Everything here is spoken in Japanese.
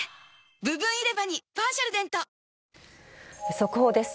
速報です。